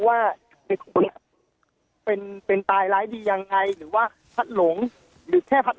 ว่าเด็กคนนี้เป็นเป็นตายร้ายดียังไงหรือว่าพัดหลงหรือแค่พัด